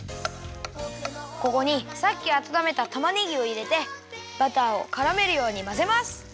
ここにさっきあたためたたまねぎをいれてバターをからめるようにまぜます！